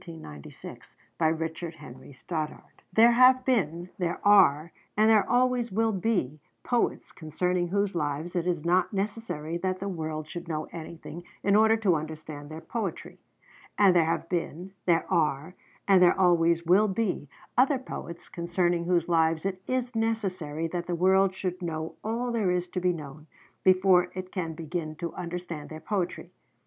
ROBERT BURNS (1759 1796) BY RICHARD HENRY STODDARD There have been, there are, and there always will be, poets concerning whose lives it is not necessary that the world should know anything in order to understand their poetry; and there have been, there are, and there always will be, other poets concerning whose lives it is necessary that the world should know all there is to be known, before it can begin to understand their poetry.